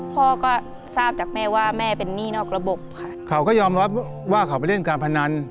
พ่อก็ทราบจากแม่ว่าแม่เป็นหนี้นอกระบบค่ะเขาก็ยอมรับว่าเขาไปเล่นการพนัน